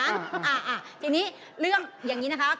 อ่าทีนี้เรื่องอย่างนี้นะคะ